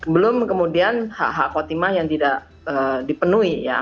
belum kemudian hak hak kotimah yang tidak dipenuhi ya